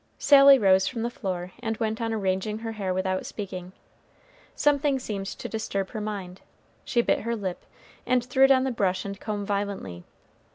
Sally rose from the floor and went on arranging her hair without speaking. Something seemed to disturb her mind. She bit her lip, and threw down the brush and comb violently.